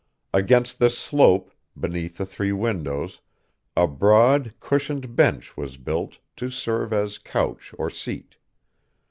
Against this slope, beneath the three windows, a broad, cushioned bench was built, to serve as couch or seat.